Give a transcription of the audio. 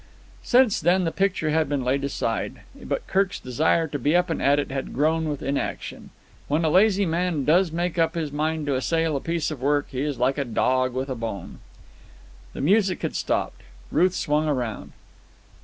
Since then the picture had been laid aside, but Kirk's desire to be up and at it had grown with inaction. When a lazy man does make up his mind to assail a piece of work, he is like a dog with a bone. The music had stopped. Ruth swung round.